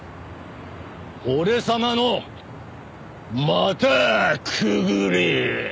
俺様の股くぐれ！